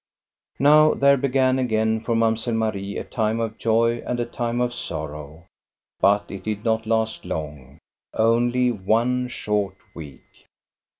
Now there began again for Mamselle Marie a time of joy and a time of sorrow; but it did not last long, — only one short week.